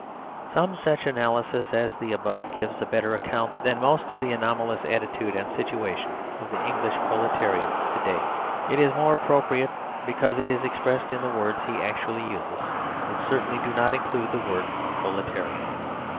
Some such analysis as the above gives a better account than most of the anomalous attitude and situation of the English proletarian to day. It is the more appropriate because it is expressed in the words he actually uses; which certainly do not include the word "proletarian."